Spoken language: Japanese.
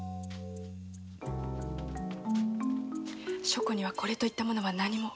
書庫にはこれといったものは何も。